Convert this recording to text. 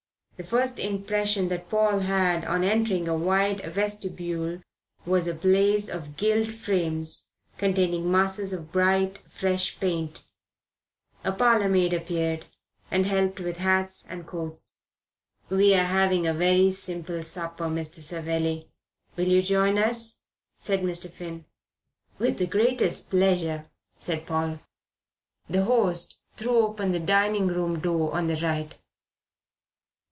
The first impression that Paul had on entering a wide vestibule was a blaze of gilt frames containing masses of bright, fresh paint. A parlour maid appeared, and helped with hats and coats. "We are having a very simple supper, Mr. Savelli. Will you join us?" said Mr. Finn. "With the greatest pleasure," said Paul. The host threw open the dining room door on the right.